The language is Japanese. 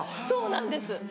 そうなんです